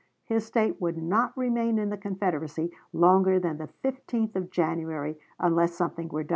His State would not remain in this Confederacy longer than the 15th of January unless something were done.